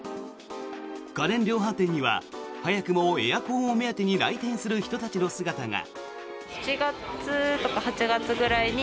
家電量販店には早くもエアコンを目当てに来店する人たちの姿が。